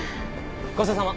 ごちそうさま。